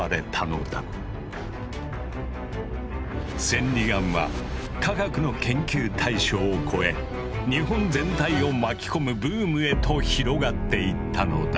千里眼は科学の研究対象を超え日本全体を巻き込むブームへと広がっていったのだ。